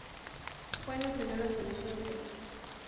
Fue en el primer lanzamiento del relevista de los Cardenales Jorge Sosa.